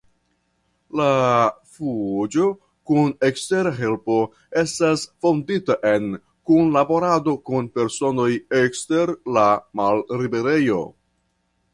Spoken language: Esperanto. La fuĝo kun ekstera helpo estas fondita en kunlaborado kun personoj ekster la malliberejo.